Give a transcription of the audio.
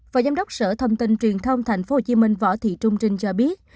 phó giám đốc sở thông tin truyền thông tp hcm võ thị trung trinh cho biết